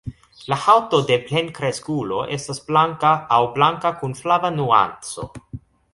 La haŭto de plenkreskulo estas blanka aŭ blanka kun flava nuanco.